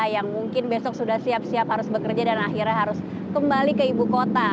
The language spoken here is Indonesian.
yang mungkin besok sudah siap siap harus bekerja dan akhirnya harus kembali ke ibu kota